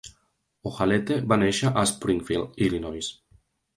Ohalete va néixer a Springfield, Illinois.